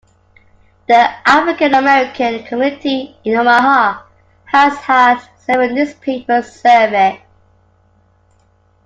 The African American community in Omaha has had several newspapers serve it.